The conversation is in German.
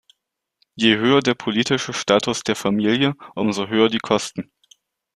Je höher der politische Status der Familie, umso höher die Kosten.